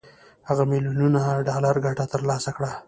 هغه میلیونونه ډالر ګټه تر لاسه کړه